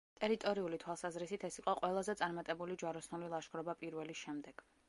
ტერიტორიული თვალსაზრისით, ეს იყო ყველაზე წარმატებული ჯვაროსნული ლაშქრობა პირველის შემდეგ.